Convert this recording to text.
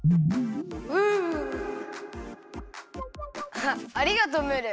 あありがとうムール。